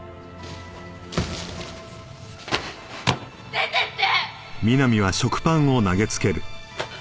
出てって！